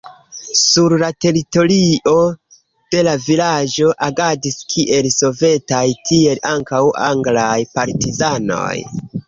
Sur la teritorio de la vilaĝo agadis kiel sovetaj, tiel ankaŭ anglaj partizanoj.